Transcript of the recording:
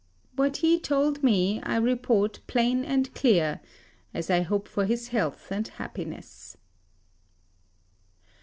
What he told me I report plain and clear, as I hope for his health and happiness.